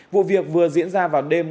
vụ việc vừa diễn ra vào đêm nay